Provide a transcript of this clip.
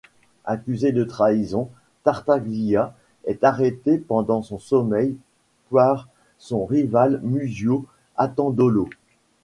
Accusé de trahison, Tartaglia est arrêté pendant son sommeil par son rival Muzio Attendolo.